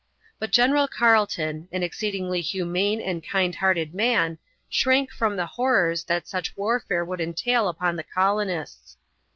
But General Carleton, an exceedingly humane and kind hearted man, shrank from the horrors that such a warfare would entail upon the colonists.